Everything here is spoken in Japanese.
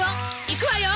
行くわよ！